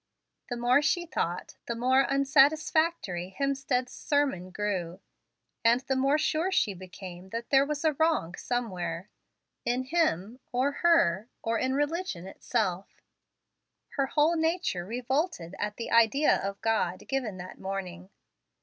The more she thought, the more unsatisfactory Hemstead's sermon grew, and the more sure she became that there was a wrong somewhere: in him, or her, or in religion itself. Her whole nature revolted at the idea of God given that morning.